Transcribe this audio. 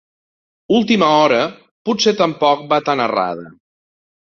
Última hora, potser tampoc va tan errada.